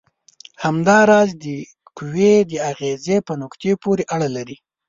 همدا راز د قوې د اغیزې په نقطې پورې اړه لري.